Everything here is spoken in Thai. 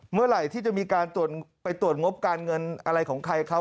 เมื่อไหร่ที่จะมีการไปตรวจงบการเงินอะไรของใครเขา